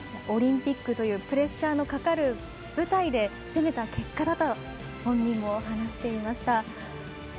オリンピックというプレッシャーのかかる舞台で攻めた結果だと本人も話していました。